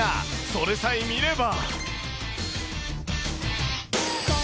それさえ見れば。